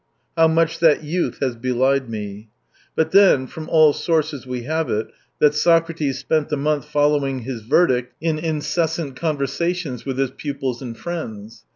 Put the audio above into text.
" How much that youth has belied me !" But then from all sources we have it, that Socrates spent the month following his verdiqt in incessant conversations with his pupils and friends.